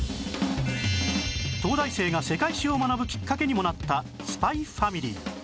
東大生が世界史を学ぶきっかけにもなった『ＳＰＹ×ＦＡＭＩＬＹ』